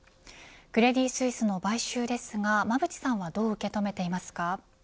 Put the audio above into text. クレディ・スイスの買収ですが馬渕さんはどう受け止めていますか。